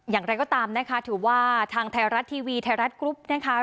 อย่างไรก็ตามนะคะถือว่าทางไทยรัฐทีวีไทยรัฐกรุ๊ปนะคะ